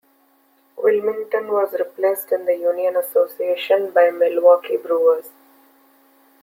Wilmington was replaced in the Union Association by the Milwaukee Brewers.